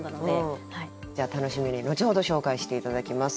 じゃあ楽しみに後ほど紹介して頂きます。